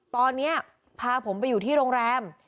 ตอนนี้พาผมไปอยู่ที่โรงแรม